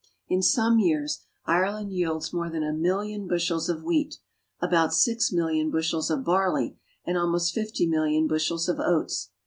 In some years Ireland yields more than a million bushels of wheat, about six million bushels of barley, and almost fifty million bushels of oats.